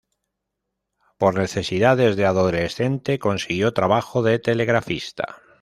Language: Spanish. Por necesidad, desde adolescente consiguió trabajo de telegrafista.